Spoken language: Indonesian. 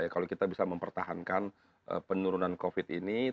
kalau kita bisa mempertahankan penurunan covid ini